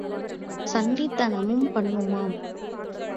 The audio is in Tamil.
சண்டித் தனமும் பண்ணுமாம்.